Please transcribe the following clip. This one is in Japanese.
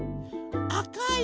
あかい。